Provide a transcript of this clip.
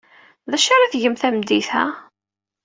D acu ara tgem tameddit-a?